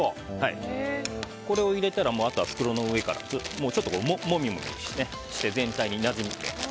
これを入れたらあとは袋の上からもみもみして全体になじませて。